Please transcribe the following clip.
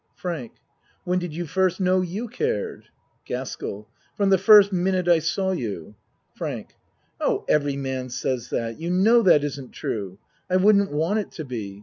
FRANK When did you first know you cared? GASKELL From the first minute I saw you. FRANK Oh, every man says that. You know that isn't true. I wouldn't want it to be.